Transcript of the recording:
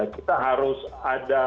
kita harus ada